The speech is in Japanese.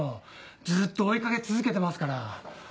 ずっと追いかけ続けてますから。